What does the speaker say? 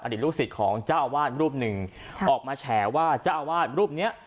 ลูกศิษย์ของเจ้าอาวาสรูปหนึ่งออกมาแฉว่าเจ้าอาวาสรูปเนี้ย